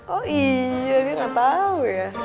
oh iya dia ga tau ya